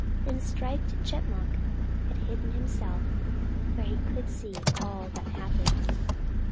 Then Striped Chipmunk had hidden himself where he could see all that happened.